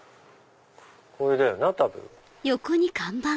これだよな多分。